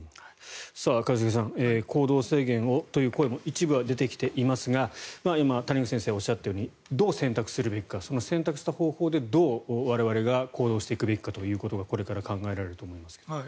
一茂さん行動制限をという声も一部は出てきていますが今、谷口先生がおっしゃったようにどう選択するべきかその選択した方法でどう我々が行動していくべきかがこれから考えられると思います。